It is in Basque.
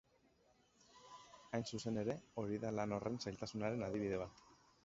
Hain zuzen ere, hori da lan horren zailtasunaren adibide bat.